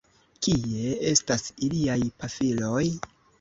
Kie estas iliaj pafiloj?